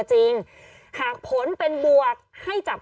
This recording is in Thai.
กล้องกว้างอย่างเดียว